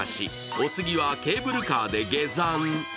お次はケーブルカーで下山。